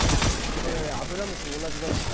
それねアブラムシも同じなんですよ。